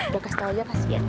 gue kasih tau aja pasti ya